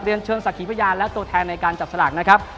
เชิงสักขีพยานและตัวแทนในการจับสลากนะครับ